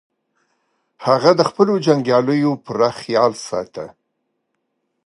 هغه د خپلو جنګیالیو پوره خیال ساته.